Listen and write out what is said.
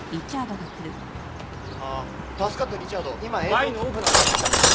ワインのオープナーを借りに来たんだ。